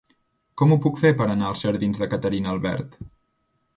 Com ho puc fer per anar als jardins de Caterina Albert?